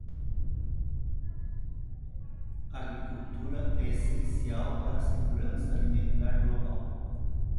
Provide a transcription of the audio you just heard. A agricultura é essencial para a segurança alimentar global.